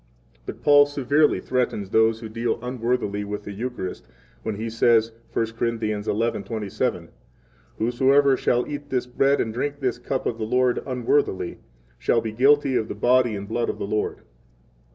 12 But Paul severely threatens those who deal unworthily with the Eucharist when he says, 1 Cor. 11:27: Whosoever shall eat this bread, and drink this cup of the Lord, unworthily, shall be guilty of the body and blood of the Lord.